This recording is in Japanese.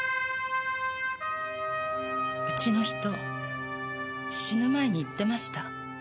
うちの人死ぬ前に言ってました。